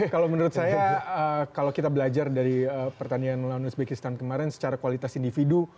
kalau menurut saya kalau kita belajar dari pertandingan melawan uzbekistan kemarin secara kualitas individu